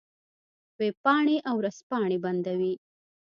وېبپاڼې او ورځپاڼې بندوي.